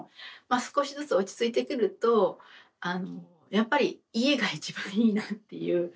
少しずつ落ち着いてくるとやっぱり家が一番いいなっていう。